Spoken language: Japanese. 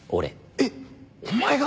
えっお前が？